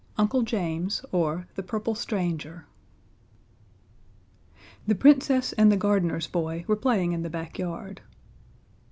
Uncle James, or The Purple Stranger The Princess and the gardener's boy were playing in the backyard.